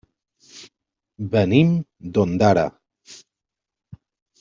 Venim d'Ondara.